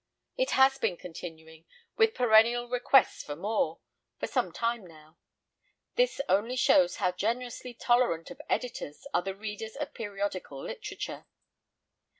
It has been continuing—with perennial requests for more—for some time now. This only shows how generously tolerant of editors are the readers of periodical literature.